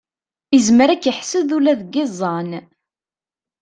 Izmer ad k-iḥsed ula deg iẓẓan.